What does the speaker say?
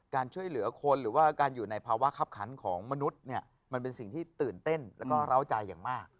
การช่วยเหลือคนหรือว่าการอยู่ในภาวะคับขันของมนุษย์เนี่ยมันเป็นสิ่งที่ตื่นเต้นแล้วก็ร้าวใจอย่างมาก